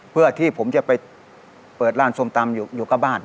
เพื่อที่ผมจะไปเปิดร้านส้มตำอยู่กับบ้าน